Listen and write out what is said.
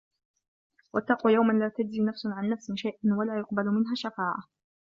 وَاتَّقُوا يَوْمًا لَا تَجْزِي نَفْسٌ عَنْ نَفْسٍ شَيْئًا وَلَا يُقْبَلُ مِنْهَا شَفَاعَةٌ